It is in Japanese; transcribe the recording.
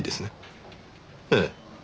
ええ。